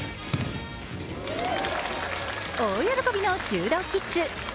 大喜びの柔道キッズ。